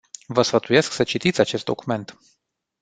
Vă sfătuiesc să citiți acest document.